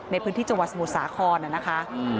ในพื้นที่จังหวัดสมุทรสาครน่ะนะคะ